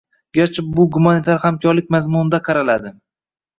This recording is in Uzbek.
Garchi bu gumanitar hamkorlik mazmunida qaraladi